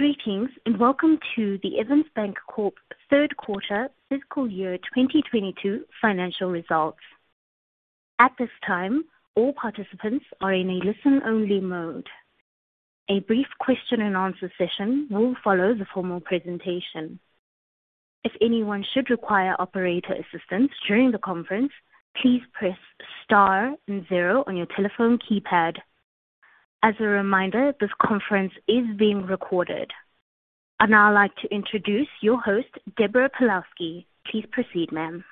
Greetings, and welcome to the Evans Bancorp, Inc. third quarter fiscal year 2022 financial results. At this time, all participants are in a listen-only mode. A brief question and answer session will follow the formal presentation. If anyone should require operator assistance during the conference, please press star and zero on your telephone keypad. As a reminder, this conference is being recorded. I'd now like to introduce your host, Deborah Pawlowski. Please proceed, ma'am.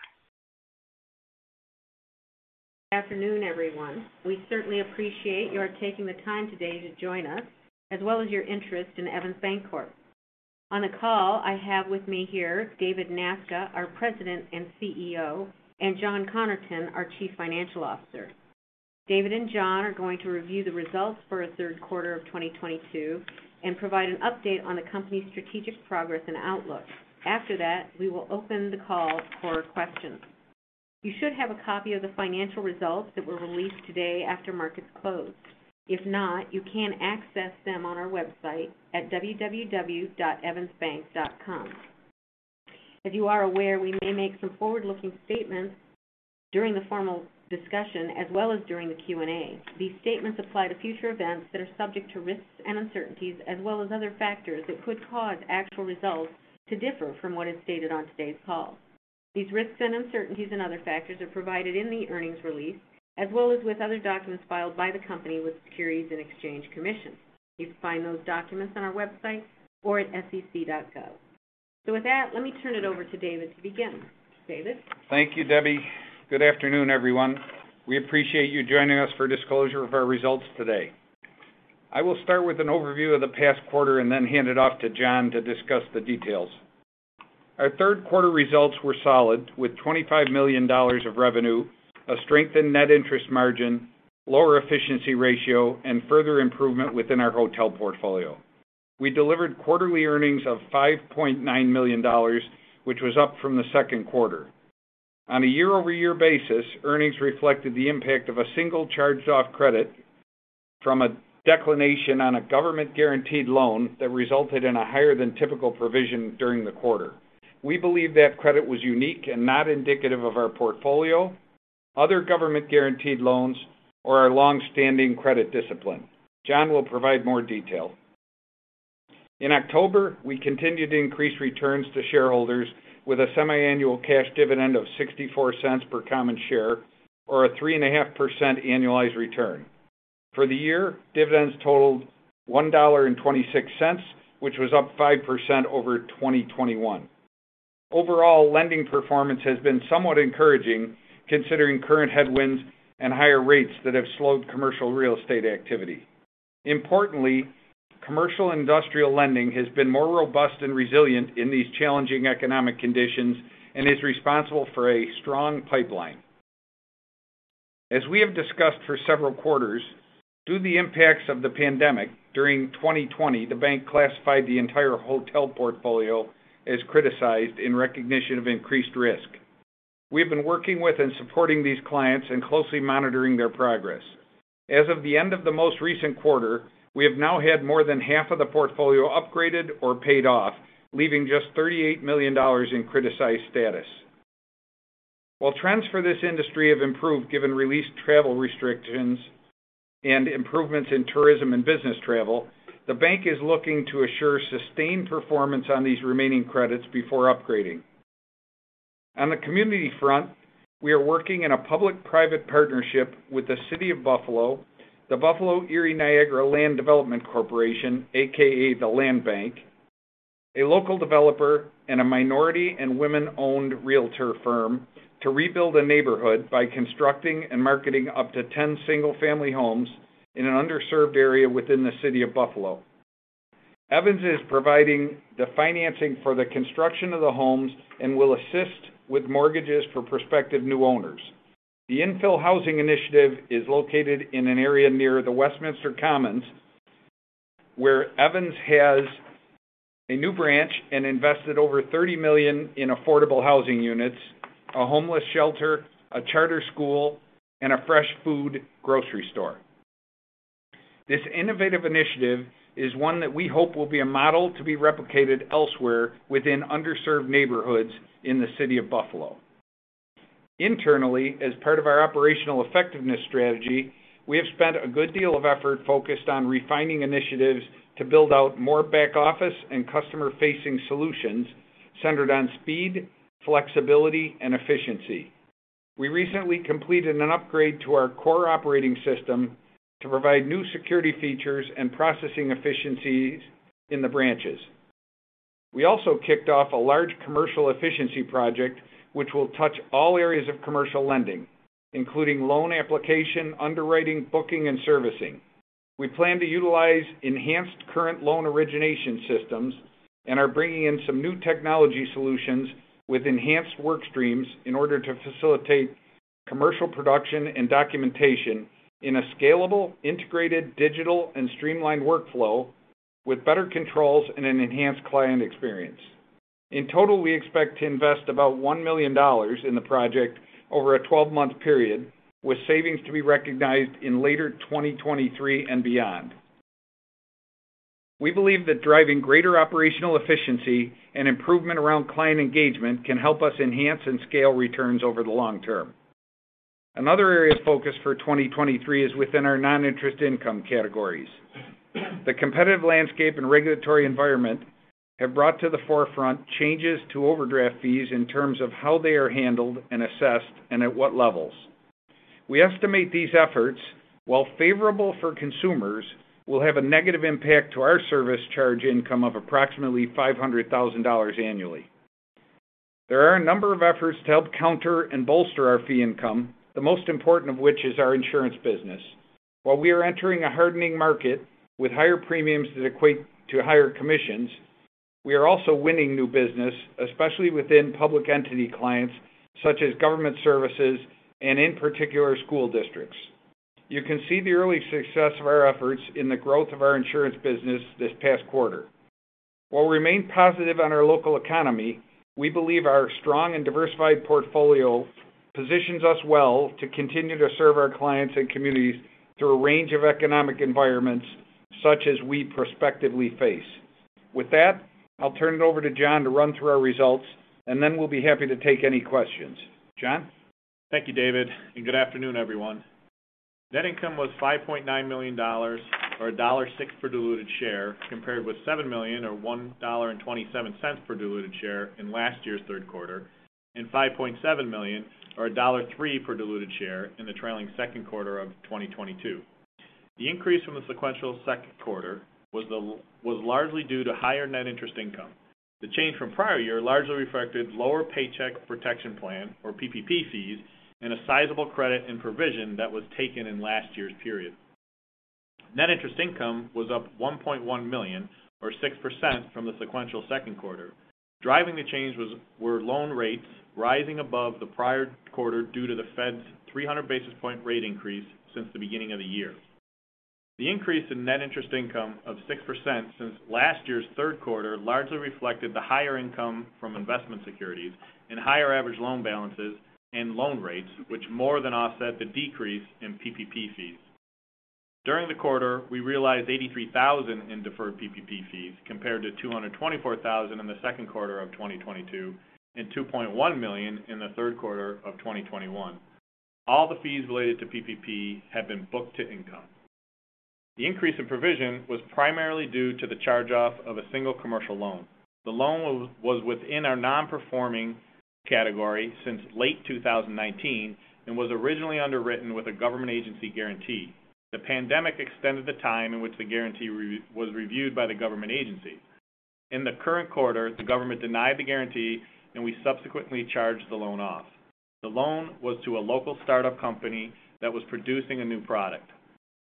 Afternoon, everyone. We certainly appreciate your taking the time today to join us as well as your interest in Evans Bancorp, Inc. On the call I have with me here David Nasca, our President and CEO, John Connerton, our Chief Financial Officer. David and John are going to review the results for our third quarter of 2022 and provide an update on the company's strategic progress and outlook. After that, we will open the call for questions. You should have a copy of the financial results that were released today after markets closed. If not, you can access them on our website at www.evansbank.com. As you are aware, we may make some forward-looking statements during the formal discussion as well as during the Q&A. These statements apply to future events that are subject to risks and uncertainties as well as other factors that could cause actual results to differ from what is stated on today's call. These risks and uncertainties and other factors are provided in the earnings release as well as with other documents filed by the company with Securities and Exchange Commission. You can find those documents on our website or at sec.gov. With that, let me turn it over to David to begin. David? Thank you, Debbie. Good afternoon, everyone. We appreciate you joining us for disclosure of our results today. I will start with an overview of the past quarter and then hand it off to John to discuss the details. Our third quarter results were solid, with $25 million of revenue, a strengthened net interest margin, lower efficiency ratio, and further improvement within our hotel portfolio. We delivered quarterly earnings of $5.9 million, which was up from the second quarter. On a year-over-year basis, earnings reflected the impact of a single charged-off credit from a declination on a government-guaranteed loan that resulted in a higher than typical provision during the quarter. We believe that credit was unique and not indicative of our portfolio, other government-guaranteed loans, or our long-standing credit discipline. John will provide more detail. In October, we continued to increase returns to shareholders with a semiannual cash dividend of $0.64 per common share, or a 3.5% annualized return. For the year, dividends totaled $1.26, which was up 5% over 2021. Overall, lending performance has been somewhat encouraging considering current headwinds and higher rates that have slowed commercial real estate activity. Importantly, commercial industrial lending has been more robust and resilient in these challenging economic conditions and is responsible for a strong pipeline. As we have discussed for several quarters, due to the impacts of the pandemic, during 2020, the bank classified the entire hotel portfolio as criticized in recognition of increased risk. We have been working with and supporting these clients and closely monitoring their progress. As of the end of the most recent quarter, we have now had more than half of the portfolio upgraded or paid off, leaving just $38 million in criticized status. While trends for this industry have improved given released travel restrictions and improvements in tourism and business travel, the bank is looking to assure sustained performance on these remaining credits before upgrading. On the community front, we are working in a public-private partnership with the City of Buffalo, the Buffalo Erie Niagara Land Improvement Corporation, aka the Land Bank, a local developer, and a minority and women-owned realtor firm to rebuild a neighborhood by constructing and marketing up to 10 single-family homes in an underserved area within the city of Buffalo. Evans is providing the financing for the construction of the homes and will assist with mortgages for prospective new owners. The infill housing initiative is located in an area near the Westminster Commons, where Evans has a new branch and invested over $30 million in affordable housing units, a homeless shelter, a charter school, and a fresh food grocery store. This innovative initiative is one that we hope will be a model to be replicated elsewhere within underserved neighborhoods in the city of Buffalo. Internally, as part of our operational effectiveness strategy, we have spent a good deal of effort focused on refining initiatives to build out more back-office and customer-facing solutions centered on speed, flexibility, and efficiency. We recently completed an upgrade to our core operating system to provide new security features and processing efficiencies in the branches. We also kicked off a large commercial efficiency project which will touch all areas of commercial lending, including loan application, underwriting, booking, and servicing. We plan to utilize enhanced current loan origination systems and are bringing in some new technology solutions with enhanced work streams in order to facilitate commercial production and documentation in a scalable, integrated, digital, and streamlined workflow with better controls and an enhanced client experience. In total, we expect to invest about $1 million in the project over a 12-month period, with savings to be recognized in later 2023 and beyond. We believe that driving greater operational efficiency and improvement around client engagement can help us enhance and scale returns over the long term. Another area of focus for 2023 is within our non-interest income categories. The competitive landscape and regulatory environment have brought to the forefront changes to overdraft fees in terms of how they are handled and assessed and at what levels. We estimate these efforts, while favorable for consumers, will have a negative impact to our service charge income of approximately $500,000 annually. There are a number of efforts to help counter and bolster our fee income, the most important of which is our insurance business. While we are entering a hardening market with higher premiums that equate to higher commissions, we are also winning new business, especially within public entity clients such as government services and in particular, school districts. You can see the early success of our efforts in the growth of our insurance business this past quarter. While we remain positive on our local economy, we believe our strong and diversified portfolio positions us well to continue to serve our clients and communities through a range of economic environments such as we prospectively face. With that, I'll turn it over to John to run through our results, and then we'll be happy to take any questions. John? Thank you, David, and good afternoon, everyone. Net income was $5.9 million or $1.06 per diluted share, compared with $7 million or $1.27 per diluted share in last year's third quarter and $5.7 million or $1.03 per diluted share in the trailing second quarter of 2022. The increase from the sequential second quarter was largely due to higher net interest income. The change from prior year largely reflected lower Paycheck Protection Program or PPP fees and a sizable credit and provision that was taken in last year's period. Net interest income was up $1.1 million or 6% from the sequential second quarter. Driving the change were loan rates rising above the prior quarter due to the Fed's 300 basis point rate increase since the beginning of the year. The increase in net interest income of 6% since last year's third quarter largely reflected the higher income from investment securities and higher average loan balances and loan rates, which more than offset the decrease in PPP fees. During the quarter, we realized $83,000 in deferred PPP fees, compared to $224,000 in the second quarter of 2022 and $2.1 million in the third quarter of 2021. All the fees related to PPP have been booked to income. The increase in provision was primarily due to the charge-off of a single commercial loan. The loan was within our non-performing category since late 2019 and was originally underwritten with a government agency guarantee. The pandemic extended the time in which the guarantee was reviewed by the government agency. In the current quarter, the government denied the guarantee and we subsequently charged the loan off. The loan was to a local start-up company that was producing a new product.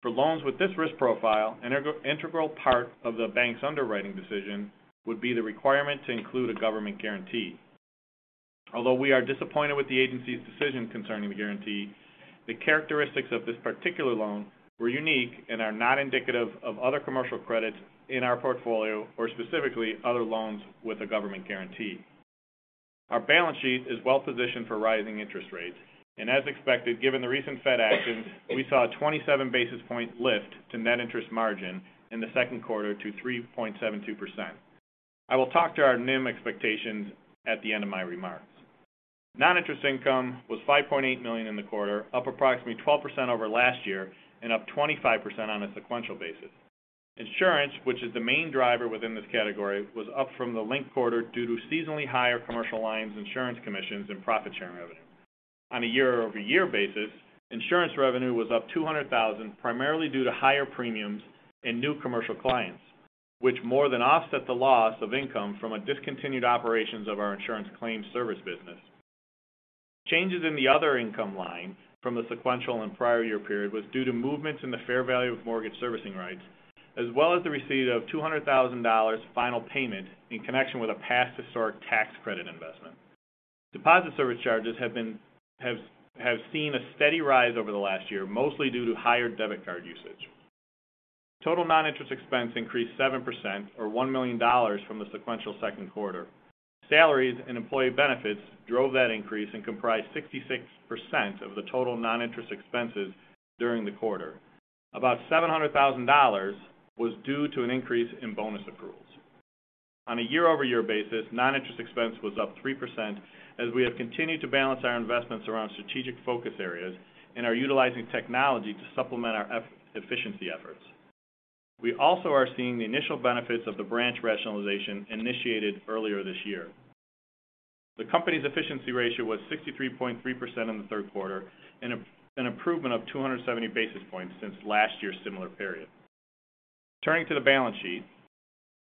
For loans with this risk profile, an integral part of the bank's underwriting decision would be the requirement to include a government guarantee. Although we are disappointed with the agency's decision concerning the guarantee, the characteristics of this particular loan were unique and are not indicative of other commercial credits in our portfolio or specifically other loans with a government guarantee. Our balance sheet is well positioned for rising interest rates, and as expected, given the recent Fed actions, we saw a 27 basis point lift to net interest margin in the second quarter to 3.72%. I will talk to our NIM expectations at the end of my remarks. Non-interest income was $5.8 million in the quarter, up approximately 12% over last year and up 25% on a sequential basis. Insurance, which is the main driver within this category, was up from the linked quarter due to seasonally higher commercial lines insurance commissions and profit sharing revenue. On a year-over-year basis, insurance revenue was up $200,000, primarily due to higher premiums and new commercial clients, which more than offset the loss of income from a discontinued operations of our insurance claims service business. Changes in the other income line from the sequential and prior year period was due to movements in the fair value of mortgage servicing rights, as well as the receipt of $200,000 final payment in connection with a past historic tax credit investment. Deposit service charges have seen a steady rise over the last year, mostly due to higher debit card usage. Total non-interest expense increased 7% or $1 million from the sequential second quarter. Salaries and employee benefits drove that increase and comprised 66% of the total non-interest expenses during the quarter. About $700,000 was due to an increase in bonus approvals. On a year-over-year basis, non-interest expense was up 3%, as we have continued to balance our investments around strategic focus areas and are utilizing technology to supplement our efficiency efforts. We also are seeing the initial benefits of the branch rationalization initiated earlier this year. The company's efficiency ratio was 63.3% in the third quarter, an improvement of 270 basis points since last year's similar period. Turning to the balance sheet,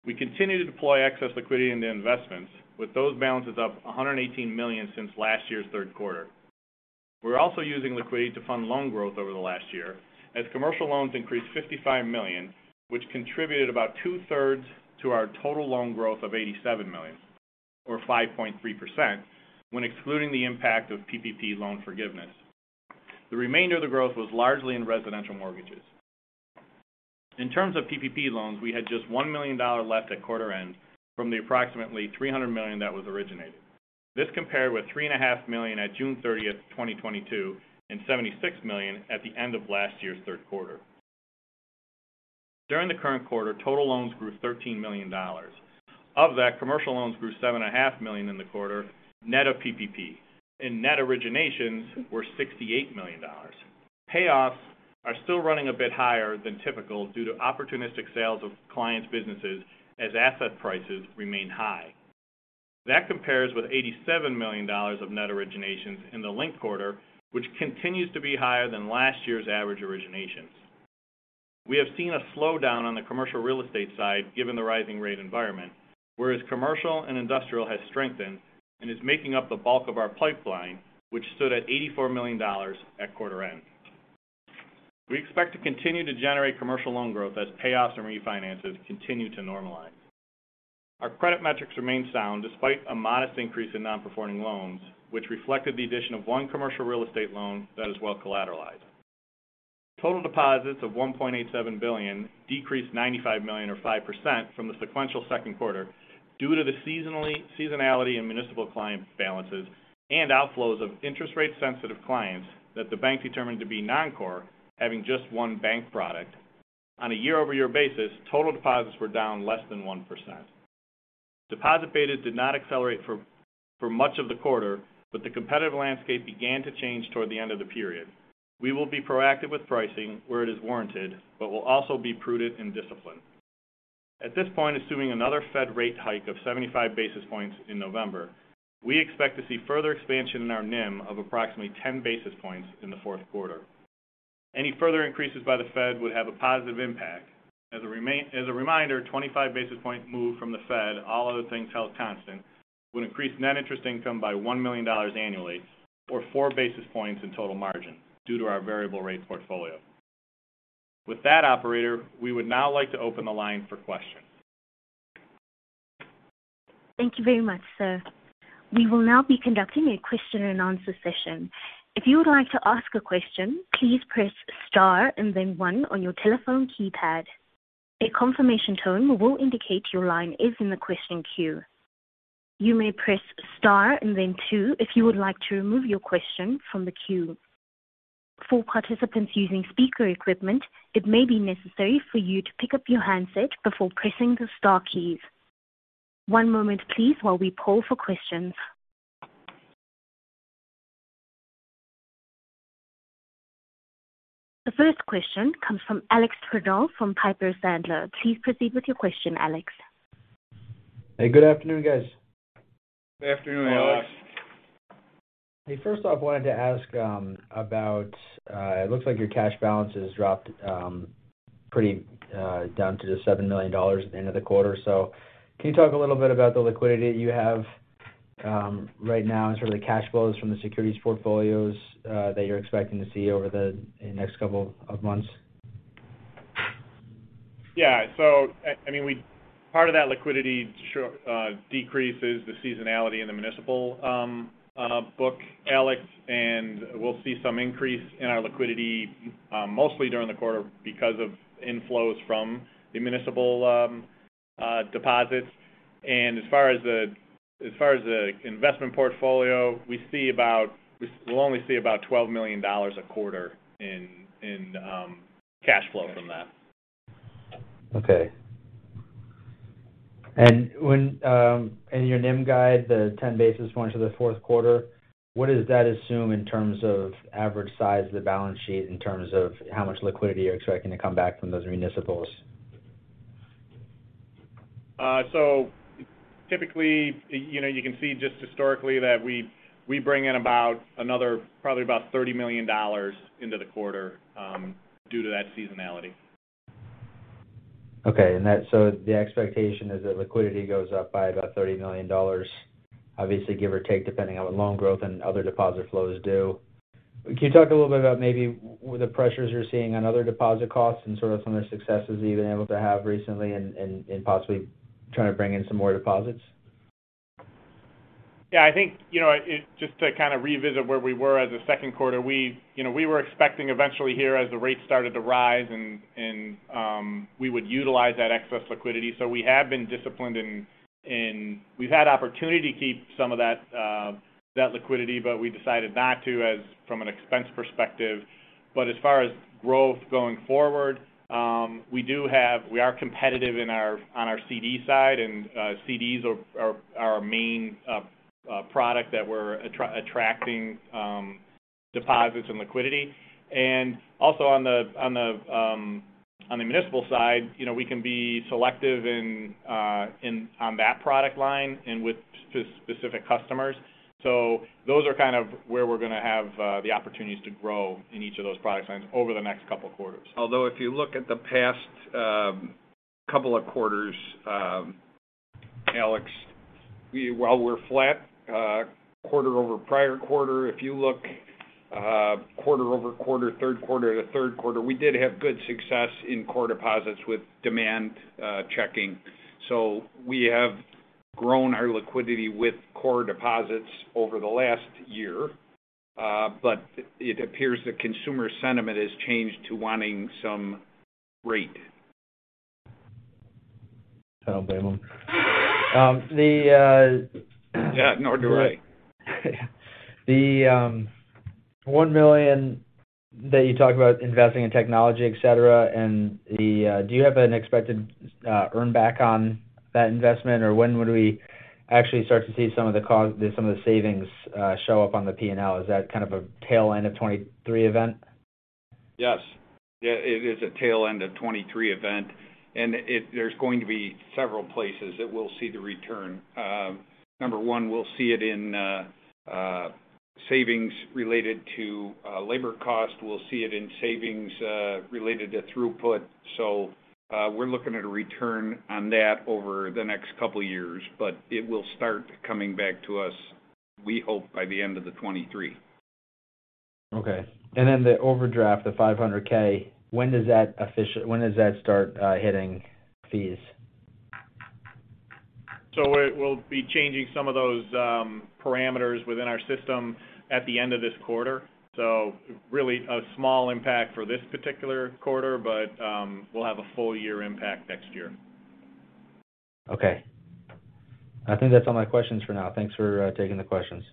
we continue to deploy excess liquidity into investments, with those balances up $118 million since last year's third quarter. We're also using liquidity to fund loan growth over the last year, as commercial loans increased $55 million, which contributed about two-thirds to our total loan growth of $87 million or 5.3% when excluding the impact of PPP loan forgiveness. The remainder of the growth was largely in residential mortgages. In terms of PPP loans, we had just $1 million left at quarter end from the approximately $300 million that was originated. This compared with $3.5 million at June 30, 2022 and $76 million at the end of last year's third quarter. During the current quarter, total loans grew $13 million. Commercial loans grew $7.5 million in the quarter net of PPP and net originations were $68 million. Payoffs are still running a bit higher than typical due to opportunistic sales of clients' businesses as asset prices remain high. That compares with $87 million of net originations in the linked quarter, which continues to be higher than last year's average originations. We have seen a slowdown on the commercial real estate side given the rising rate environment. Whereas commercial and industrial has strengthened and is making up the bulk of our pipeline, which stood at $84 million at quarter end. We expect to continue to generate commercial loan growth as payoffs and refinances continue to normalize. Our credit metrics remain sound despite a modest increase in non-performing loans, which reflected the addition of one commercial real estate loan that is well collateralized. Total deposits of $1.87 billion decreased $95 million or 5% from the sequential second quarter due to the seasonality in municipal client balances and outflows of interest rate sensitive clients that the bank determined to be non-core, having just one bank product. On a year-over-year basis, total deposits were down less than 1%. Deposit betas did not accelerate for much of the quarter, but the competitive landscape began to change toward the end of the period. We will be proactive with pricing where it is warranted, but will also be prudent and disciplined. At this point, assuming another Fed rate hike of 75 basis points in November, we expect to see further expansion in our NIM of approximately 10 basis points in the fourth quarter. Any further increases by the Fed would have a positive impact. As a reminder, 25 basis points moved from the Fed, all other things held constant, would increase net interest income by $1 million annually or four basis points in total margin due to our variable rates portfolio. With that, operator, we would now like to open the line for questions. Thank you very much, sir. We will now be conducting a question and answer session. If you would like to ask a question, please press star and then one on your telephone keypad. A confirmation tone will indicate your line is in the question queue. You may press star and then two if you would like to remove your question from the queue. For participants using speaker equipment, it may be necessary for you to pick up your handset before pressing the star keys. One moment please while we poll for questions. The first question comes from Alex Twerdahl from Piper Sandler. Please proceed with your question, Alex. Hey, good afternoon, guys. Good afternoon, Alex. Good afternoon. Hey, first off, wanted to ask about it looks like your cash balances dropped pretty down to the $7 million at the end of the quarter. Can you talk a little bit about the liquidity you have right now in sort of the cash flows from the securities portfolios that you're expecting to see over the next couple of months? Yeah. I mean, part of that liquidity decrease is the seasonality in the municipal book, Alex, and we'll see some increase in our liquidity, mostly during the quarter because of inflows from the municipal deposits. As far as the investment portfolio, we'll only see about $12 million a quarter in cash flow from that. Okay. When in your NIM guide, the 10 basis points for the fourth quarter, what does that assume in terms of average size of the balance sheet in terms of how much liquidity you're expecting to come back from those municipals? Typically, you know, you can see just historically that we bring in about another probably about $30 million into the quarter due to that seasonality. Okay. The expectation is that liquidity goes up by about $30 million, obviously give or take, depending on what loan growth and other deposit flows do. Can you talk a little bit about maybe the pressures you're seeing on other deposit costs and sort of some of the successes you've been able to have recently in possibly trying to bring in some more deposits? Yeah, I think, you know, just to kind of revisit where we were as a second quarter, we, you know, we were expecting eventually here as the rates started to rise and we would utilize that excess liquidity. We have been disciplined and we've had opportunity to keep some of that liquidity, but we decided not to as from an expense perspective. As far as growth going forward, we are competitive on our CD side and CDs are our main product that we're attracting deposits and liquidity. Also on the municipal side, you know, we can be selective on that product line and with specific customers. Those are kind of where we're gonna have the opportunities to grow in each of those product lines over the next couple of quarters. Although if you look at the past couple of quarters, Alex, while we're flat quarter over prior quarter, if you look quarter-over-quarter, third quarter to third quarter, we did have good success in core deposits with demand checking. We have grown our liquidity with core deposits over the last year. It appears that consumer sentiment has changed to wanting some rate. I don't blame them. Yeah, nor do I. The $1 million that you talk about investing in technology, et cetera, and the. Do you have an expected earn back on that investment? Or when would we actually start to see some of the savings show up on the P&L? Is that kind of a tail end of 2023 event? Yes. Yeah, it is a tail end of 2023 event. There's going to be several places that we'll see the return. Number one, we'll see it in savings related to labor cost. We'll see it in savings related to throughput. We're looking at a return on that over the next couple years. It will start coming back to us, we hope, by the end of 2023. Okay. The overdraft, the $500K, when does that start hitting fees? We'll be changing some of those parameters within our system at the end of this quarter. Really a small impact for this particular quarter, but we'll have a full year impact next year. Okay. I think that's all my questions for now. Thanks for taking the questions.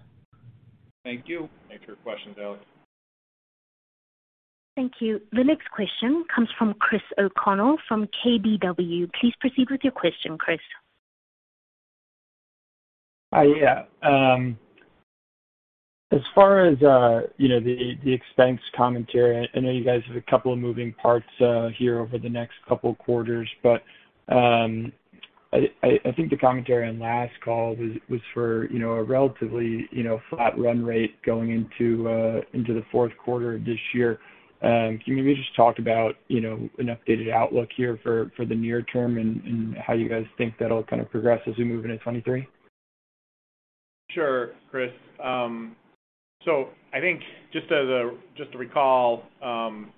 Thank you. Thanks for your questions, Alex Twerdahl. Thank you. The next question comes from Chris O'Connell from KBW. Please proceed with your question, Chris. Yeah, as far as you know the expense commentary, I know you guys have a couple of moving parts here over the next couple quarters. I think the commentary on last call was for you know a relatively you know flat run rate going into the fourth quarter this year. Can you maybe just talk about you know an updated outlook here for the near term and how you guys think that'll kind of progress as we move into 2023? Sure, Chris. I think just to recall,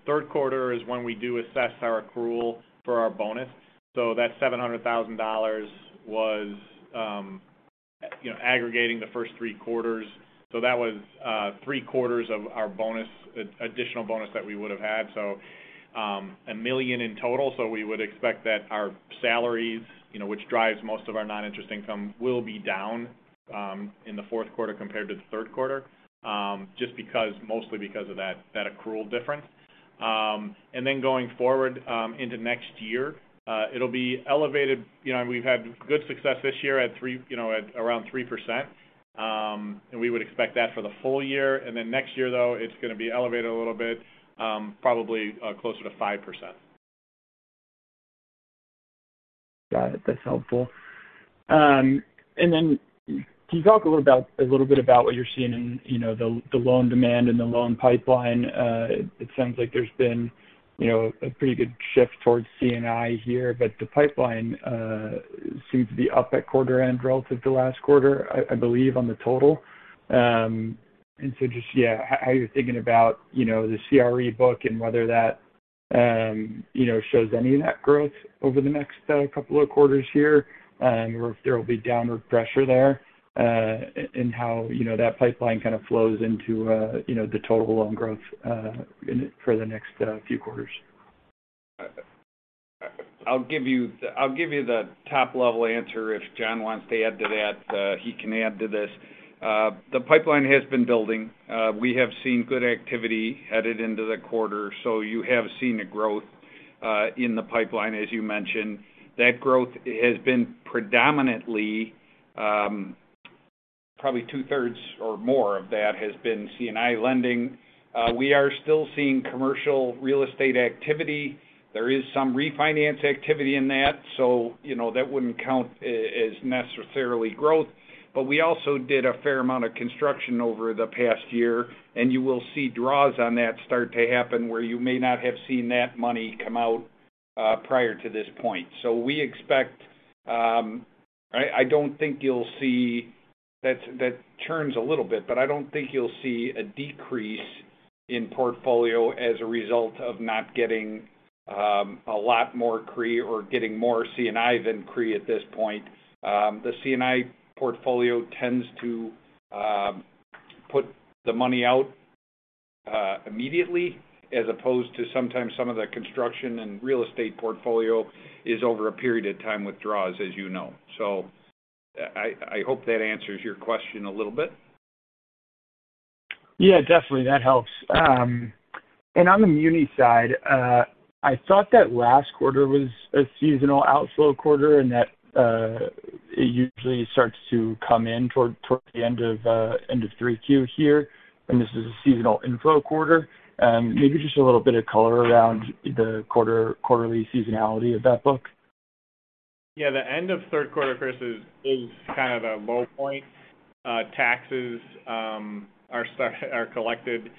third quarter is when we do assess our accrual for our bonus. That $700,000 was, you know, aggregating the first three quarters. That was three-quarters of our bonus, additional bonus that we would have had. A million in total. We would expect that our salaries, you know, which drives most of our non-interest income, will be down in the fourth quarter compared to the third quarter, just because mostly because of that accrual difference. Then going forward into next year, it'll be elevated. You know, we've had good success this year at around 3%, and we would expect that for the full year. Next year, though, it's gonna be elevated a little bit, probably, closer to 5%. Got it. That's helpful. Can you talk a little bit about what you're seeing in, you know, the loan demand and the loan pipeline? It sounds like there's been, you know, a pretty good shift towards C&I here. The pipeline seems to be up at quarter end relative to last quarter, I believe, on the total. Just, yeah, how you're thinking about, you know, the CRE book and whether that, you know, shows any of that growth over the next couple of quarters here, or if there will be downward pressure there, and how, you know, that pipeline kind of flows into, you know, the total loan growth for the next few quarters? I'll give you the top-level answer. If John wants to add to that, he can add to this. The pipeline has been building. We have seen good activity headed into the quarter, so you have seen a growth in the pipeline, as you mentioned. That growth has been predominantly probably two-thirds or more of that has been C&I lending. We are still seeing commercial real estate activity. There is some refinance activity in that, so you know, that wouldn't count as necessarily growth. But we also did a fair amount of construction over the past year, and you will see draws on that start to happen, where you may not have seen that money come out prior to this point. So we expect. I don't think you'll see. That churns a little bit, but I don't think you'll see a decrease in portfolio as a result of not getting a lot more CRE or getting more C&I than CRE at this point. The C&I portfolio tends to put the money out immediately, as opposed to sometimes some of the construction and real estate portfolio is over a period of time with draws, as you know. I hope that answers your question a little bit. Yeah, definitely. That helps. On the muni side, I thought that last quarter was a seasonal outflow quarter and that it usually starts to come in toward the end of 3Q here, and this is a seasonal inflow quarter. Maybe just a little bit of color around the quarterly seasonality of that book. Yeah. The end of third quarter, Chris, is kind of a low point. Taxes are collected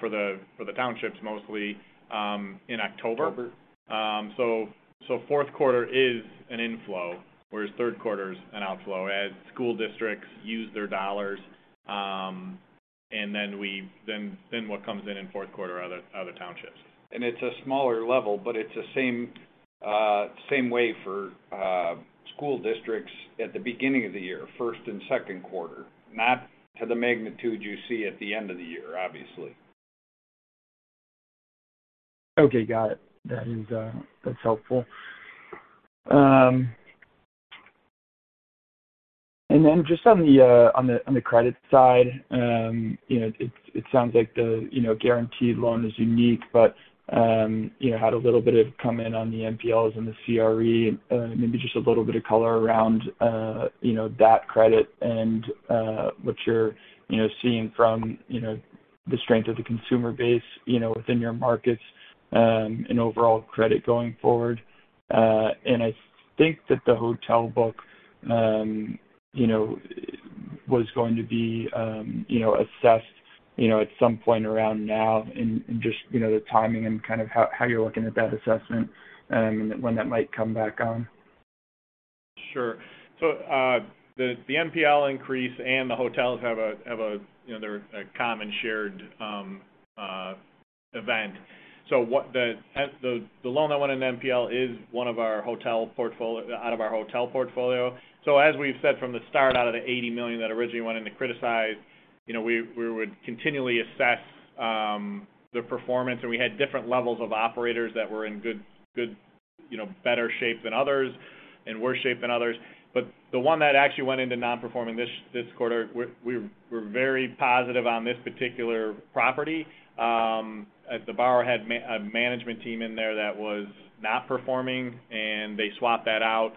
for the townships mostly in October. October. Fourth quarter is an inflow, whereas third quarter is an outflow as school districts use their dollars. What comes in in fourth quarter are the townships. It's a smaller level, but it's the same way for school districts at the beginning of the year, first and second quarter, not to the magnitude you see at the end of the year, obviously. Okay, got it. That is, that's helpful. Just on the credit side, you know, it sounds like the, you know, guaranteed loan is unique, but, you know, had a little bit come in on the NPLs and the CRE, maybe just a little bit of color around, you know, that credit and, what you're, you know, seeing from, you know, the strength of the consumer base, you know, within your markets, and overall credit going forward. I think that the hotel book, you know, was going to be, you know, assessed, you know, at some point around now and just, you know, the timing and kind of how you're looking at that assessment, and when that might come back on. Sure. The NPL increase and the hotels have a, you know, they're a common shared event. The loan that went into NPL is one out of our hotel portfolio. As we've said from the start, out of the $80 million that originally went into criticized, you know, we would continually assess the performance, and we had different levels of operators that were in good, you know, better shape than others and worse shape than others. The one that actually went into non-performing this quarter, we're very positive on this particular property. The borrower had a management team in there that was not performing, and they swapped that out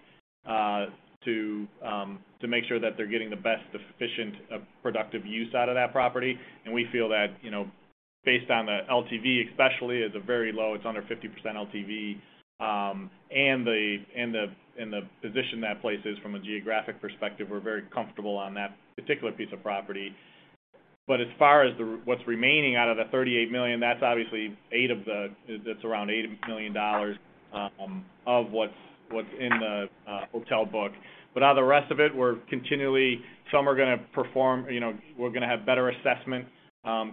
to make sure that they're getting the best efficient productive use out of that property. We feel that, you know, based on the LTV especially, it's very low. It's under 50% LTV. The position that place is from a geographic perspective, we're very comfortable on that particular piece of property. But as far as what's remaining out of the $38 million, that's obviously eight of the that's around $8 million of what's in the hotel book. But on the rest of it, some are gonna perform, you know, we're gonna have better assessments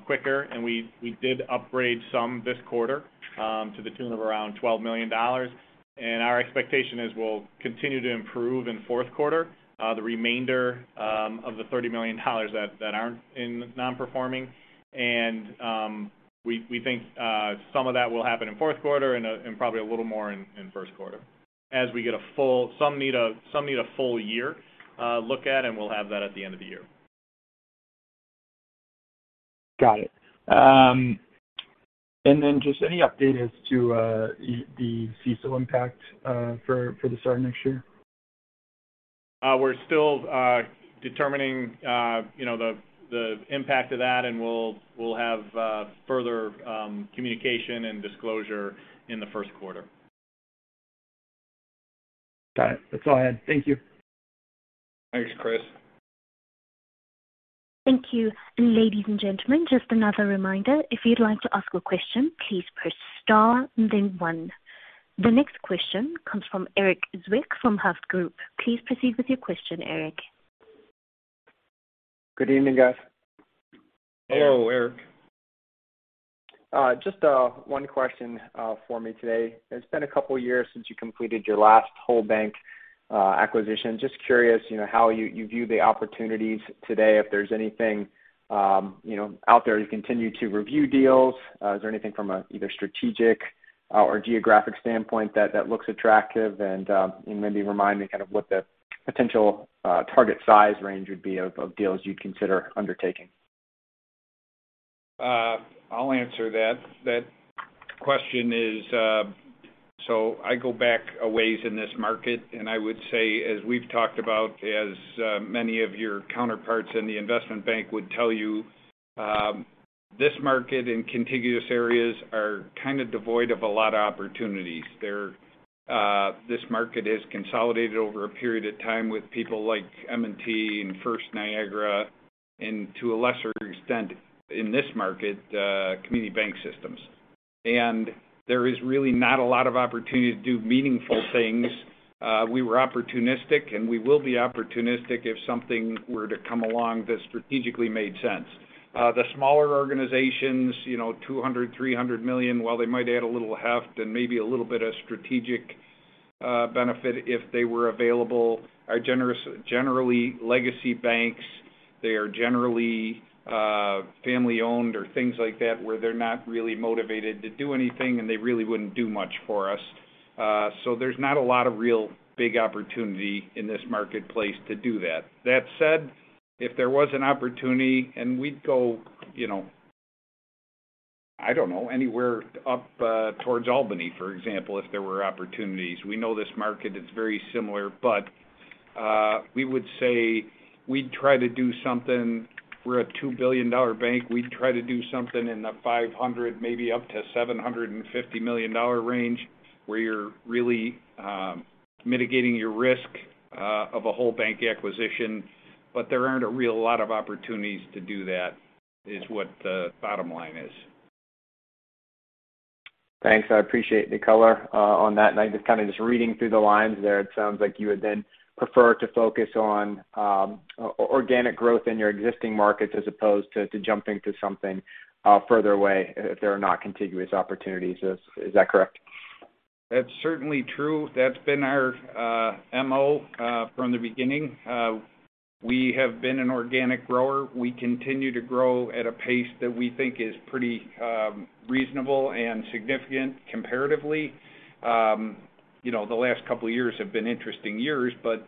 quicker. We did upgrade some this quarter to the tune of around $12 million. Our expectation is we'll continue to improve in fourth quarter, the remainder of the $30 million that aren't in non-performing. We think some of that will happen in fourth quarter and probably a little more in first quarter as some need a full year look at, and we'll have that at the end of the year. Got it. Just any update as to the CECL impact for the start of next year? We're still determining, you know, the impact of that, and we'll have further communication and disclosure in the first quarter. Got it. That's all I had. Thank you. Thanks, Chris. Thank you. Ladies and gentlemen, just another reminder, if you'd like to ask a question, please press star and then one. The next question comes from Erik Zwick from Hovde Group. Please proceed with your question, Erik. Good evening, guys. Hello, Erik. Just one question for me today. It's been a couple of years since you completed your last whole bank acquisition. Just curious, you know, how you view the opportunities today, if there's anything, you know, out there as you continue to review deals. Is there anything from a either strategic or geographic standpoint that looks attractive? Maybe remind me kind of what the potential target size range would be of deals you'd consider undertaking. I'll answer that. That question is. I go back a ways in this market and I would say, as we've talked about, many of your counterparts in the investment banking would tell you, this market and contiguous areas are kind of devoid of a lot of opportunities. There, this market has consolidated over a period of time with people like M&T and First Niagara and to a lesser extent in this market, Community Bank System. There is really not a lot of opportunity to do meaningful things. We were opportunistic, and we will be opportunistic if something were to come along that strategically made sense. The smaller organizations, you know, $200-$300 million, while they might add a little heft and maybe a little bit of strategic benefit if they were available, are generally legacy banks. They are generally family-owned or things like that, where they're not really motivated to do anything, and they really wouldn't do much for us. So there's not a lot of real big opportunity in this marketplace to do that. That said, if there was an opportunity and we'd go, you know, I don't know, anywhere up towards Albany, for example, if there were opportunities. We know this market. It's very similar, but we would say we'd try to do something. We're a $2 billion bank. We'd try to do something in the $500 million-$750 million range, where you're really mitigating your risk of a whole bank acquisition. There aren't a real lot of opportunities to do that, is what the bottom line is. Thanks. I appreciate the color on that. I just kind of just reading between the lines there, it sounds like you would then prefer to focus on organic growth in your existing markets as opposed to jumping to something further away if there are not contiguous opportunities. Is that correct? That's certainly true. That's been our MO from the beginning. We have been an organic grower. We continue to grow at a pace that we think is pretty reasonable and significant comparatively. You know, the last couple of years have been interesting years, but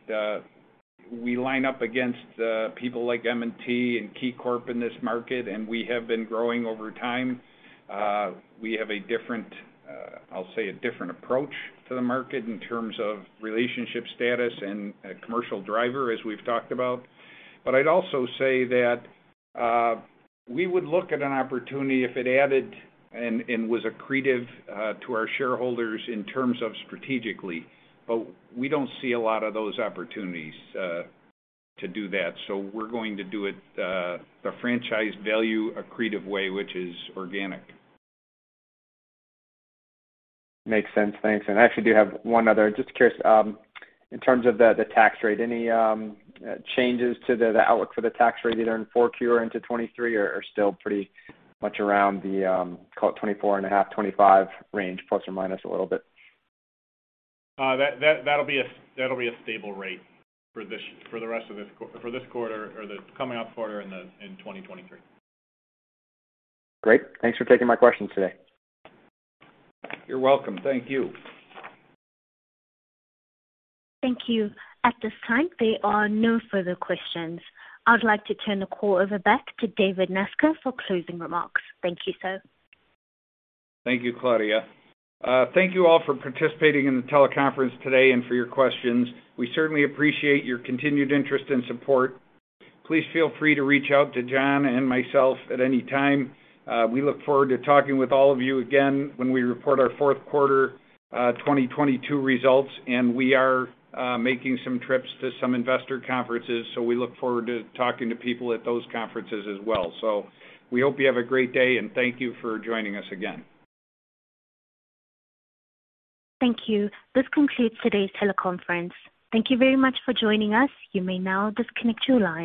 we line up against people like M&T and KeyCorp in this market, and we have been growing over time. We have a different approach to the market in terms of relationship status and a commercial driver, as we've talked about. I'd also say that we would look at an opportunity if it added and was accretive to our shareholders in terms of strategically. We don't see a lot of those opportunities to do that. We're going to do it, the franchise value accretive way, which is organic. Makes sense. Thanks. I actually do have one other. Just curious, in terms of the tax rate, any changes to the outlook for the tax rate either in 4Q or into 2023 or still pretty much around the call it 24.5%-25% range, plus or minus a little bit? That'll be a stable rate for the rest of this quarter or the upcoming quarter in 2023. Great. Thanks for taking my questions today. You're welcome. Thank you. Thank you. At this time, there are no further questions. I'd like to turn the call over back David Nasca for closing remarks. Thank you, sir. Thank you, Claudia. Thank you all for participating in the teleconference today and for your questions. We certainly appreciate your continued interest and support. Please feel free to reach out to John and myself at any time. We look forward to talking with all of you again when we report our fourth quarter, 2022 results, and we are making some trips to some investor conferences, so we look forward to talking to people at those conferences as well. We hope you have a great day, and thank you for joining us again. Thank you. This concludes today's teleconference. Thank you very much for joining us. You may now disconnect your line.